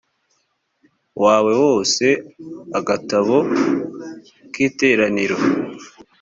wawe wose agatabo k iteraniro